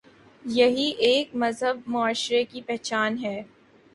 یہی ایک مہذب معاشرے کی پہچان ہے۔